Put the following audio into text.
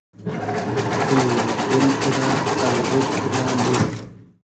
خونی مئردوم خو رۂ الغود کیدۂ مۉ